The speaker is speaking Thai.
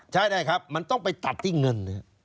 ใช่ได้ครับมันต้องไปตัดที่เงิน